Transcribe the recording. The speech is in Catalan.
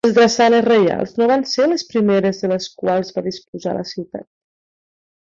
Les drassanes reials no van ser les primeres de les quals va disposar la ciutat.